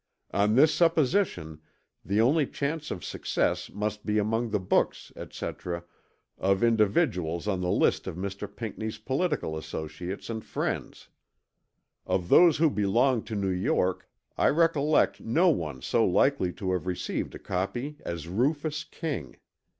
On this supposition the only chance of success must be among the books, etc., of individuals on the list of Mr. Pinckney's political associates and friends. Of those who belonged to N. York, I recollect no one so likely to have received a copy as Rufus King.